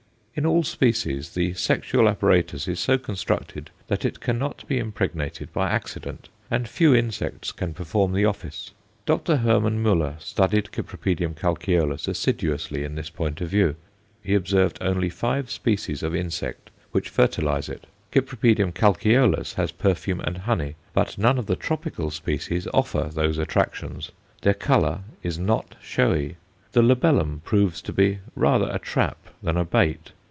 In all species the sexual apparatus is so constructed that it cannot be impregnated by accident, and few insects can perform the office. Dr. Hermann Muller studied Cyp. calceolus assiduously in this point of view. He observed only five species of insect which fertilize it. Cyp. calceolus has perfume and honey, but none of the tropical species offer those attractions. Their colour is not showy. The labellum proves to be rather a trap than a bait.